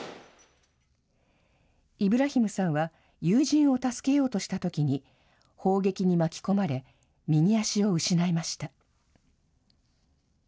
イブラヒムさんは友人を助けようとしたときに、砲撃に巻き込まれ右足を失いました。